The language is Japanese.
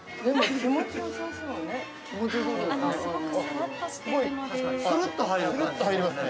◆気持ちよさそうですね。